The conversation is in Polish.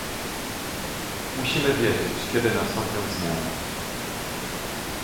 Musimy wiedzieć, kiedy nastąpią zmiany